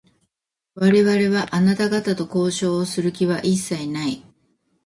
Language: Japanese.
我々は、あなた方と交渉をする気は一切ない。